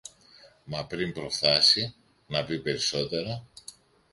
Μα πριν προφθάσει να πει περισσότερα